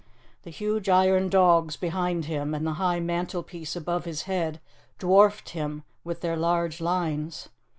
The huge iron dogs behind him and the high mantel piece above his head dwarfed him with their large lines.